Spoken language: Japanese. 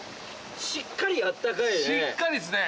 しっかりあったかいね。